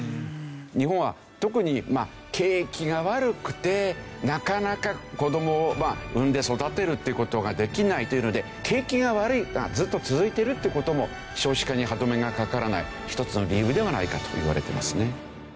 日本は特に景気が悪くてなかなか子どもを産んで育てるっていう事ができないというので景気が悪いのがずっと続いてるっていう事も少子化に歯止めがかからない一つの理由ではないかといわれてますね。